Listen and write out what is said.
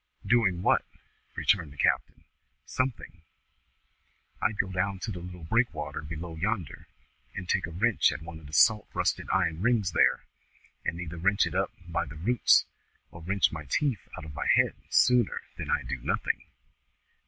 "Doing what?" returned the captain. "Something! I'd go down to the little breakwater below yonder, and take a wrench at one of the salt rusted iron rings there, and either wrench it up by the roots or wrench my teeth out of my head, sooner than I'd do nothing.